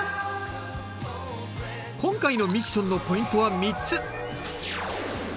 今回のミッションのポイントは３つ。